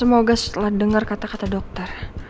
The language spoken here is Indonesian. semoga setelah dengar kata kata dokter